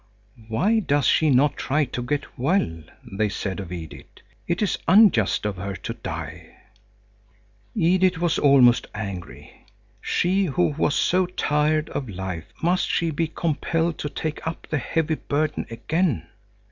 "Why does she not try to get well?" they said of Edith. "It is unjust of her to die." Edith was almost angry. She who was so tired of life, must she be compelled to take up the heavy burden again?